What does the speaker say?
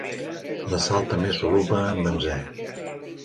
La sal també és soluble en benzè.